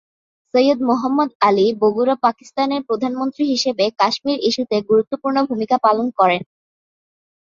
সৈয়দ মোহাম্মদ আলী বগুড়া পাকিস্তানের প্রধানমন্ত্রী হিসেবে কাশ্মীর ইস্যুতে গুরুত্বপূর্ণ ভূমিকা পালন করেন।